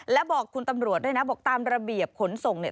และบอกคุณตำรวจด้วยนะบอกตามระเบียบขนส่งเนี่ย